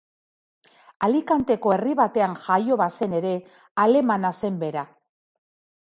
Alicanteko herri batean Jaio bazen ere, alemana zen bera.